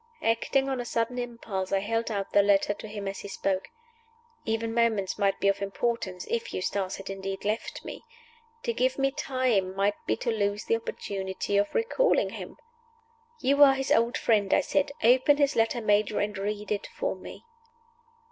Acting on a sudden impulse, I held out the letter to him as he spoke. Even moments might be of importance, if Eustace had indeed left me. To give me time might be to lose the opportunity of recalling him. "You are his old friend," I said. "Open his letter, Major, and read it for me."